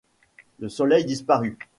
Le soleil disparu.